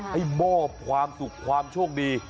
ให้มอบความสุขความโชคดี